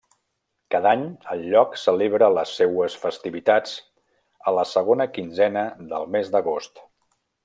Cada any, el lloc celebra les seues festivitats a la segona quinzena del mes d'agost.